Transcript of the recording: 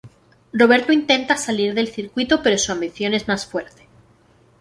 Roberto intenta salir del circuito pero su ambición es más fuerte.